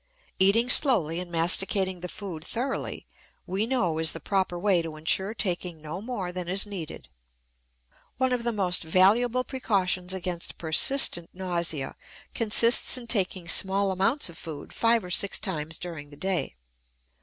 Eating slowly and masticating the food thoroughly, we know, is the proper way to insure taking no more than is needed. One of the most valuable precautions against persistent nausea consists in taking small amounts of food five or six times during the day.